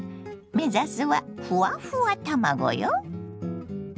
目指すはふわふわ卵よ。